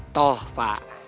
insya allah kok pak